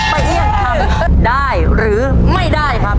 เอี่ยงทำได้หรือไม่ได้ครับ